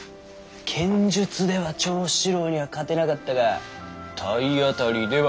剣術では長七郎には勝てなかったが体当たりでは。